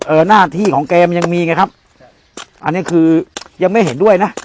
หน้าที่ของแกมันยังมีไงครับอันนี้คือยังไม่เห็นด้วยนะ